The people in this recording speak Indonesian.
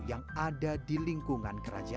yang ada di lingkungan kerajaan